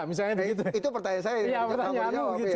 misalnya begitu itu pertanyaan saya